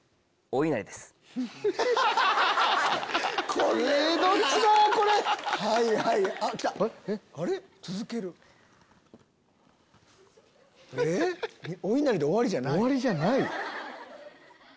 おいなりで終わりじゃない？